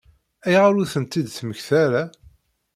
Ayɣer ur tent-id-temmekta ara?